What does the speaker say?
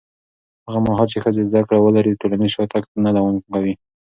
هغه مهال چې ښځې زده کړه ولري، ټولنیز شاتګ نه دوام کوي.